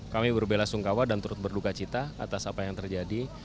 kami berbela sungkawa dan turut berduka cita atas apa yang terjadi